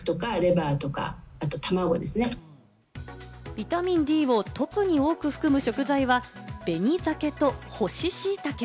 ビタミンＤを特に多く含む食材は、紅鮭と干ししいたけ。